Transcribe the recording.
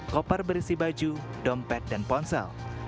koper berisi baju dompet dan ponsel